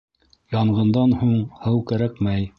Янғындан һуң һыу кәрәкмәй.